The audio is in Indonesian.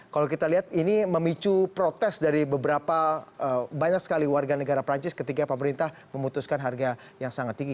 kalau kita lihat ini memicu protes dari beberapa banyak sekali warga negara perancis ketika pemerintah memutuskan harga yang sangat tinggi